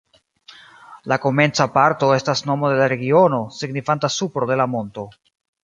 La komenca parto estas nomo de la regiono, signifanta supro de la monto.